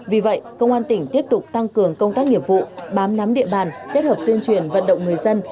vì vậy công an tỉnh tiếp tục tăng cường công tác nghiệp vụ bám nắm địa bàn kết hợp tuyên truyền vận động người dân